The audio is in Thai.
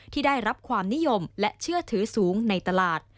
ที่ได้รับความนิยมและเชื่อถือสูงในตลาด